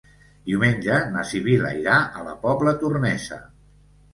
Diumenge na Sibil·la irà a la Pobla Tornesa.